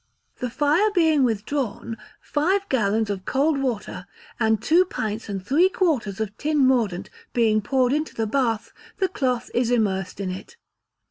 The fire being withdrawn, five gallons of cold water and two pints and three quarters of tin mordant being poured into the bath, the cloth is immersed in it.